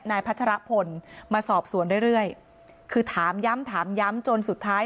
พัชรพลมาสอบสวนเรื่อยเรื่อยคือถามย้ำถามย้ำจนสุดท้าย